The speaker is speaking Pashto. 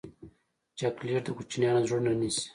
چاکلېټ د کوچنیانو زړونه نیسي.